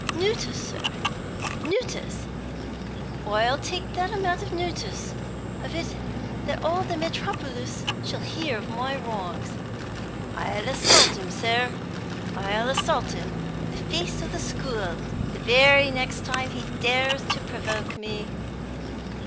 "Notuss, sir, notuss! I'll take that amount of notuss of it that all the metropoluss shall hear of my wrongs. I'll assault 'um, sir; I'll assault 'um in the face of the school, the very next time he dares to provoke me!